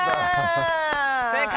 正解！